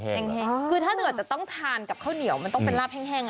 คือถ้าเถอะจะต้องทานกับข้าวเหนียวมันต้องเป็นราบแห้งหน่อย